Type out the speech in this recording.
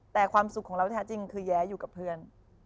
แต่ความสุขของเราที่แท้จริงคือแย้อยู่กับเพื่อน